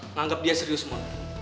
nganggep dia serius mon